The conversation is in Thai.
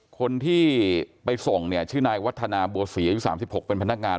คนที่ไปส่งเนี่ยชื่อนายวัฒนาบัวศรีอายุ๓๖เป็นพนักงาน